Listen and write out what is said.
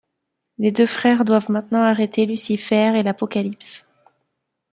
Les deux frères doivent maintenant arrêter Lucifer et l'apocalypse.